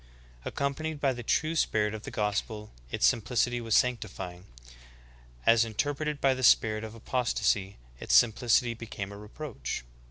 Accompanied by the true spirit of the gospel its simplicity was sanctifying; as interpreted by the spirit of apostasy its simplicity became a reproach.